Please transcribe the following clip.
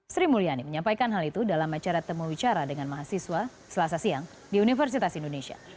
sri mulyani menyampaikan hal itu dalam acara temu bicara dengan mahasiswa selasa siang di universitas indonesia